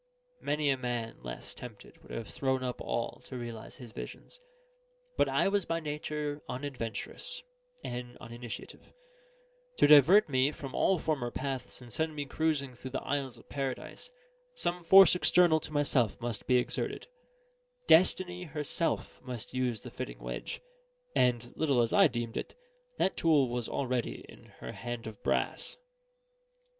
Many a man less tempted would have thrown up all to realise his visions; but I was by nature unadventurous and uninitiative: to divert me from all former paths and send me cruising through the isles of paradise, some force external to myself must be exerted; Destiny herself must use the fitting wedge; and little as I deemed it, that tool was already in her hand of brass.